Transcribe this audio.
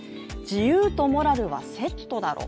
「自由とモラルはセットだろ？」